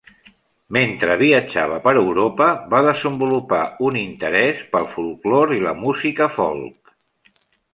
Mentre viatjava per Europa, va desenvolupar un interès pel folklore i la música folk.